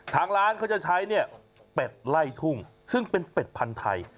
ทางร้านเขาจะใช้เนี่ยเป็ดไล่ทุ่งซึ่งเป็นเป็ดพันธุ์ไทย